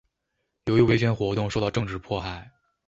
由于维权活动受到政治迫害。